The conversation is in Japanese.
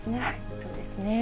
そうですね。